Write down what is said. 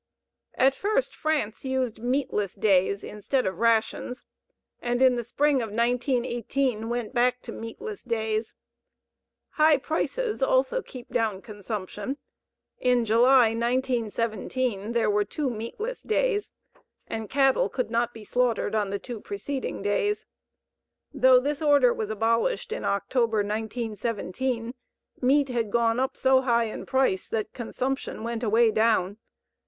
At first France used meatless days instead of rations, and in the spring of 1918 went back to meatless days. High prices also keep down consumption. In July, 1917, there were 2 meatless days, and cattle could not be slaughtered on the 2 preceding days. Though this order was abolished in October, 1917, meat had gone up so high in price that consumption went away down.